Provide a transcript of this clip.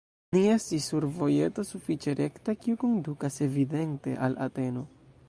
Ni estis sur vojeto sufiĉe rekta, kiu kondukas evidente al Ateno.